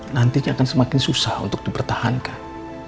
nantinya akan semakin susah untuk dipertahankan